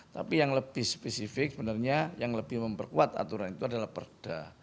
tapi yang lebih spesifik sebenarnya yang lebih memperkuat aturan itu adalah perda